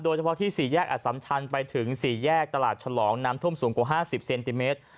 โดยเฉพาะที่ศรีแยกอัดสำชันไปถึงศรีแยกตลาดฉลองน้ำท่วมสูงกว่าห้าสิบเซนติเมตร